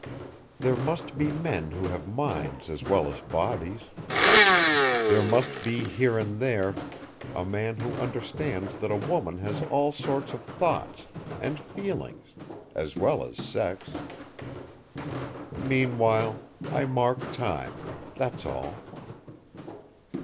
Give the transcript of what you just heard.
There must be men who have minds as well as bodies. There must be here and there a man who understands that a woman has all sorts of thoughts and feelings as well as sex. Meanwhile I mark time. That's all."